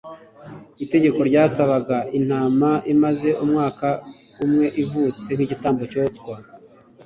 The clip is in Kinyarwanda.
itegeko ryasabaga intama imaze umwaka umwe ivutse nk'igitambo cyoswa